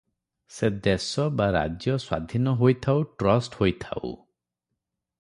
ସେ ଦେଶ ବା ରାଜ୍ୟ ସ୍ୱାଧୀନ ହୋଇଥାଉ ଟ୍ରଷ୍ଟ ହୋଇଥାଉ ।